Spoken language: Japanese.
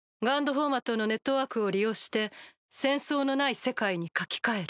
フォーマットのネットワークを利用して戦争のない世界に書き換える。